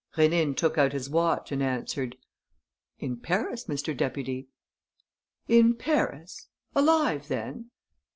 Rénine took out his watch and answered: "In Paris, Mr. Deputy." "In Paris? Alive then?"